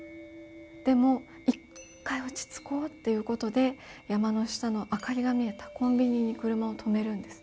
でも１回落ち着こうっていうことで、山の下の明かりが見えたコンビニに車を止めるんです。